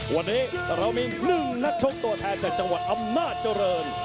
วันนี้เรามี๑นักชกตัวแทนจากจังหวัดอำนาจเจริญ